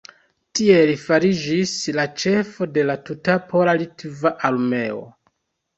Tiel li fariĝis la ĉefo de la tuta pola-litva armeo.